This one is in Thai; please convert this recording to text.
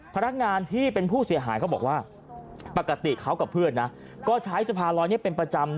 พนักงานที่เป็นผู้เสียหายเขาบอกว่าปกติเขากับเพื่อนนะก็ใช้สะพานลอยนี้เป็นประจำ